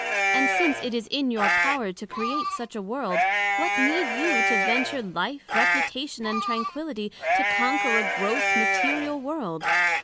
And since it is in your power to create such a World, What need you to venture life, reputation and tranquility, to conquer a gross material World?